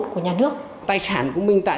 của nhà nước tài sản của mình tại